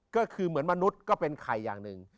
ก็คือเหมือนมนุษย์ก็เป็นไข่อย่างหนึ่ง